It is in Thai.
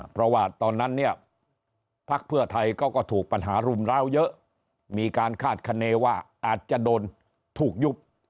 เพราะว่าตอนนั้นเนี่ยพักเพื่อไทยก็ถูกปัญหารุมร้าวเยอะมีการคาดคณีว่าอาจจะโดนถูกยุบ